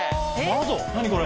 何これ？